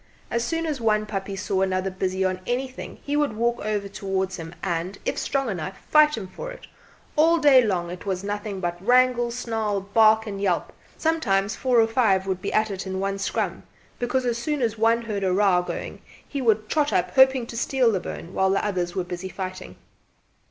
As soon as one puppy saw another busy on anything, he would walk over towards him and, if strong enough, fight him for it. All day long it was nothing but wrangle, snarl, bark and yelp. Sometimes four or five would be at it in one scrum; because as soon as one heard a row going on he would trot up hoping to steal the bone while the others were busy fighting.